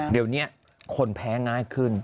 เดี๋ยวนี้คนแพ้ง่ายขึ้น